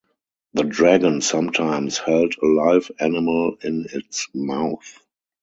The dragon sometimes held a live animal in its mouth.